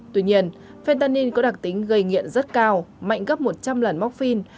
tuy nhiên fentanyl có đặc tính gây nghiện rất cao mạnh gấp một trăm linh lần móc phin